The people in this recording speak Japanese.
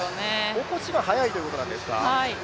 起こしが早いということですか。